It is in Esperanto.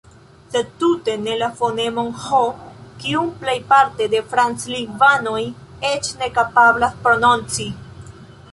Sed tute ne la fonemon Ĥ, kiun plejparte la franclingvanoj eĉ ne kapablas prononci.